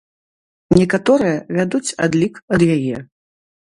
Некаторыя вядуць адлік ад яе.